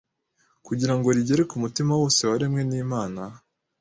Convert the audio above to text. kugira ngo rigere ku mutima wose waremwe n'Imana